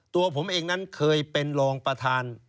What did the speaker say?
ตัวผมเองนั้นเคยเป็นรองประธาน